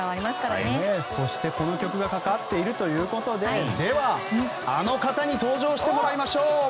そして、この曲がかかっているということででは、あの方に登場してもらいましょう。